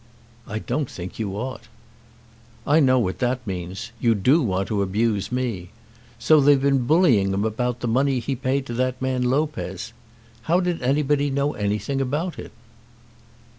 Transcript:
"I don't think you ought." "I know what that means. You do want to abuse me. So they've been bullying him about the money he paid to that man Lopez. How did anybody know anything about it?"